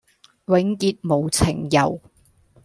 永結無情遊，